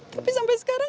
tapi sampai sekarang